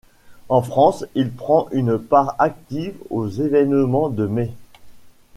En France, il prend une part active aux événements de mai.